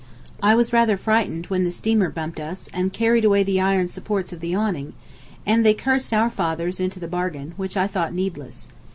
I was rather frightened when the steamer bumped us, and carried away the iron supports of the awning; and they cursed our fathers into the bargain, which I thought needless.